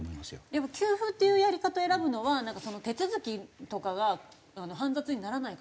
やっぱ給付っていうやり方を選ぶのはなんか手続きとかが煩雑にならないから？